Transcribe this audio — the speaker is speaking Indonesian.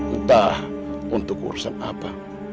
entah untuk urusan apa